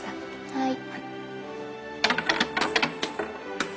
はい。